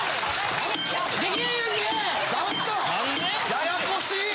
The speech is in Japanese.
・ややこし！